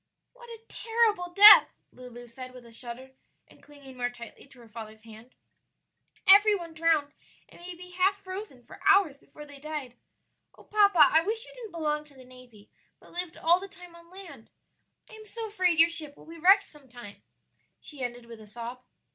"What a terrible death!" Lulu said with a shudder, and clinging more tightly to her father's hand; "every one drowned and may be half frozen for hours before they died. Oh, papa, I wish you didn't belong to the navy, but lived all the time on land! I am so afraid your ship will be wrecked some time," she ended with a sob.